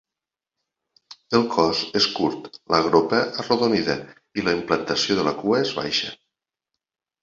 El cos és curt, la gropa arrodonida i la implantació de la cua és baixa.